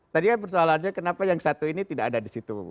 tadi kan persoalannya kenapa yang satu ini tidak ada di situ